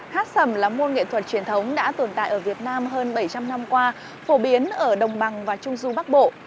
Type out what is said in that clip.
hát sầm là môn nghệ thuật truyền thống đã tồn tại ở việt nam hơn bảy trăm linh năm qua phổ biến ở đồng bằng và trung du bắc bộ